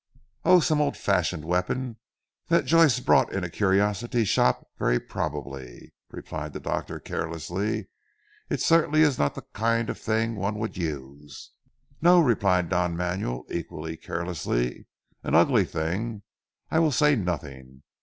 "Oh, some old fashioned weapon that Joyce brought in a curiosity shop very probably," replied the doctor carelessly, "it certainly is not the kind of thing one would use." "No," replied Don Manuel equally carelessly, "an ugly thing. I will say nothing.